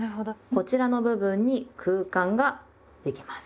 こちらの部分に空間ができます。